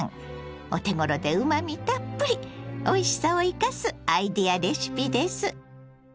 お手ごろでうまみたっぷりおいしさを生かすアイデアレシピです。